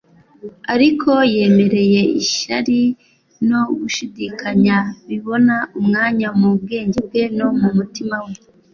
ariko yemereye ishyari no gushidikanya bibona umwanya mu bwenge bwe no mu mutima we.